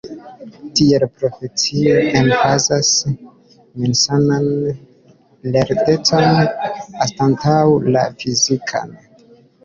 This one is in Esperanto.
Tiel, profesio emfazas mensan lertecon anstataŭ la fizikan.